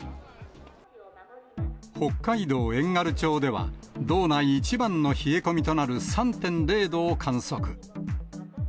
北海道遠軽町では、道内一番の冷え込みとなる３．０度を観測。